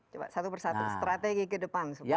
coba satu persatu strategi ke depan